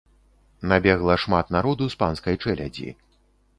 Набегла шмат народу з панскай чэлядзі.